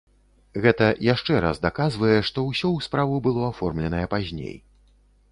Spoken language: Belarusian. Гэта яшчэ раз даказвае, што ўсё ў справу было аформленае пазней.